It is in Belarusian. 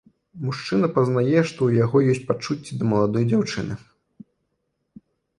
Мужчына пазнае, што ў яго ёсць пачуцці да маладой дзяўчыны.